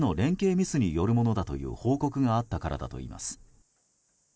ミスによるものだという報告があったからだといいます。